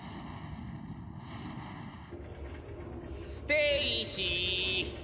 ステイシー。